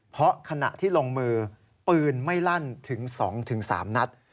เพราะขณะที่ลงมือปืนไม่ลั่นถึง๒๓นัด